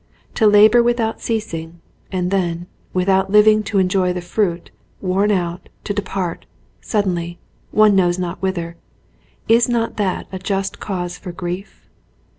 To labour without ceasing, and then, without living to enjoy the fruit, worn out, to depart, suddenly, one knows not whither, — is not that a just cause for grief?"